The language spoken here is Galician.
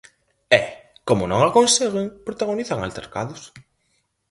E, como non a conseguen, protagonizan altercados.